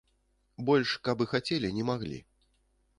Больш каб і хацелі, не маглі.